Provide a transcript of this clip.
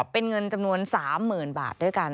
เป็นเงินจำนวน๓๐๐๐บาทด้วยกัน